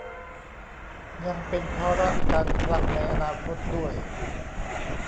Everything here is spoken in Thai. ยังเป็นภาระการคลังในอนาคตด้วย